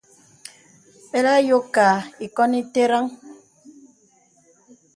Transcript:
Belà ayókā īkǒn ìtərəŋhə.